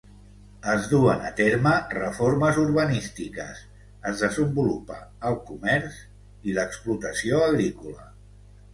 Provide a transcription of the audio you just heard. Es duen a terme reformes urbanístiques, es desenvolupa el comerç i l'explotació agrícola.